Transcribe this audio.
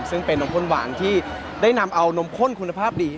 ซึ่งเป็นนมข้นหวานที่ได้นำเอานมข้นคุณภาพดี